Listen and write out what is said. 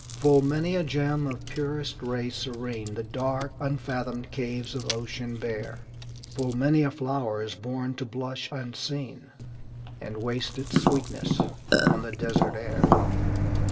"Full many a gem, of purest ray serene The dark, unfathomed caves of ocean bear; Full many a flower is born to blush unseen, And waste its sweetness on the desert air."